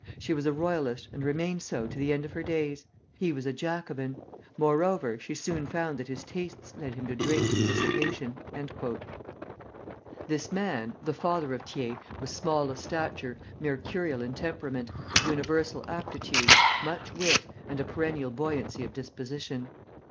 She was a Royalist, and remained so to the end of her days; he was a Jacobin. Moreover, she soon found that his tastes led him to drink and dissipation." This man, the father of Thiers, was small of stature, mercurial in temperament, of universal aptitudes, much wit, and a perennial buoyancy of disposition.